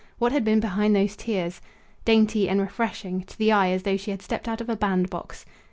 What had been behind those tears? Dainty and refreshing; to the eye as though she had stepped out of a bandbox.